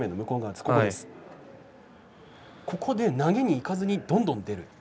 ここで投げにいかずにどんどん出る。